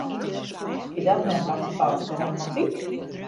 Is dat net wat in falske romantyk?